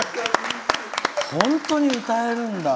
本当に歌えるんだ。